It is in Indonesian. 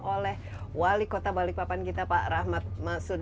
oleh wali kota balikpapan kita pak rahmat masud